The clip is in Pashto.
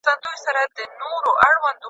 هیڅوک باید حقیقت پټ نه کړي.